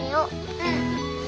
うん。